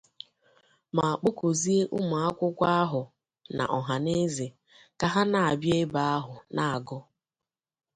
ma kpọkuzie ụmụakwụkwọ ahụ na ọhaneze ka ha na-abịa ebe ahụ na-agụ